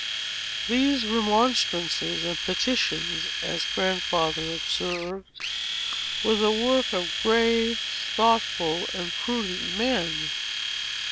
These remonstrances and petitions, as Grandfather observed, were the work of grave, thoughtful, and prudent men.